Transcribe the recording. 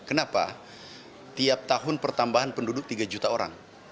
kenapa tiap tahun pertambahan penduduk tiga juta orang